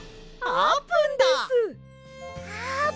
あーぷん！